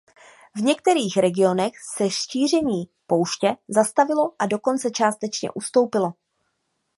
V některých regionech se šíření pouště zastavilo a dokonce částečně ustoupilo.